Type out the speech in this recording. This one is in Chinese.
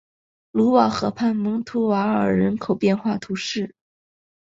卢瓦河畔蒙图瓦尔人口变化图示